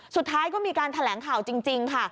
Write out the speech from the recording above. สุดท้ายก็มีการแถลงข่าวจริงค่ะ